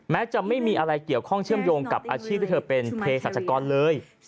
จะไม่มีอะไรเกี่ยวข้องเชื่อมโยงกับอาชีพที่เธอเป็นเพศรัชกรเลย